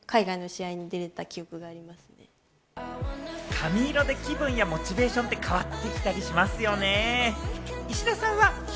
髪色で気分やモチベーションって変わってきたりしますよねぇ。